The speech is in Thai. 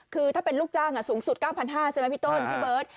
คือถ้าเป็นลูกจ้างสูงสุด๙๕๐๐ใช่ไหมพี่ต้นพี่เบิร์ต